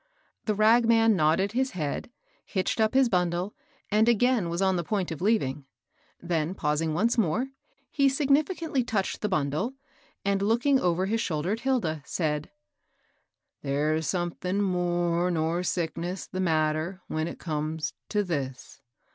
The ragman nodded his head, hitched up his bundle, and again was on the point of leaving ; then, pausing once more, he significantly touched the bundle, and looking over his shoulder at Hilda, said :" There's somethin' more nor sickness th' matter when it comes t' this.